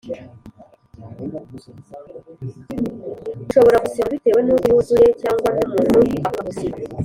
bushobora gusibama bitewe n’uko yuzuye cyangwa n’umuntu akabusiba